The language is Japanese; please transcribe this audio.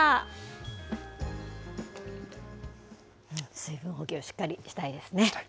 水分補給、しっかりしたいですね。